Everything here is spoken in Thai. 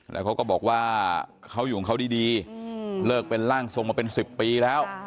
แล้วเขาก็บอกว่าเขาอยู่ของเขาดีเลิกเป็นร่างทรงมาเป็น๑๐ปีแล้ว